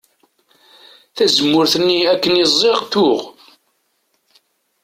Tazemmurt-nni akken i ẓẓiɣ tuɣ.